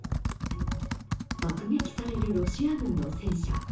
爆撃されるロシア軍の戦車。